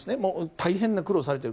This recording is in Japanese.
大変な苦労をされている。